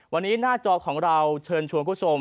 วันนี้หน้าจอของเราเชิญชวนคุณผู้ชม